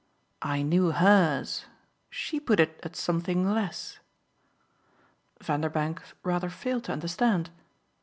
"I knew HERS. She put it at something less." Vanderbank rather failed to understand.